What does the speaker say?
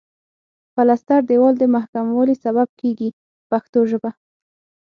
پلستر دېوال د محکموالي سبب کیږي په پښتو ژبه.